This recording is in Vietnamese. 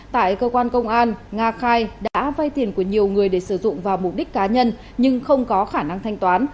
tại cơ quan công an nga khai đã vay tiền của nhiều người để sử dụng vào mục đích cá nhân nhưng không có khả năng thanh toán